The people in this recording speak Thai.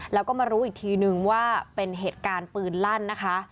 แล้วก็มารู้อีกทีนึงว่าเป็นเหตุการณ์ปืนลั่นนะคะ